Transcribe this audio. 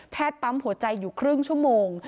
ปั๊มหัวใจอยู่ครึ่งชั่วโมง